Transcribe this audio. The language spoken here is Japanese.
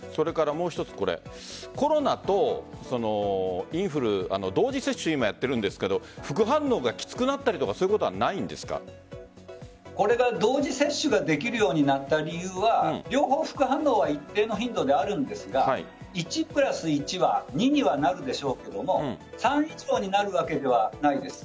もう一つ、コロナとインフル同時接種、今やっているんですが副反応がきつくなったりとかいうことはこれが同時接種ができるようになった理由は両方、副反応は一定の頻度であるんですが１＋１は２にはなるでしょうが３以上になるわけではないです。